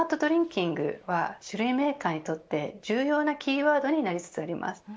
キングは酒類メーカーにとって重要なキーワードになりつつあります。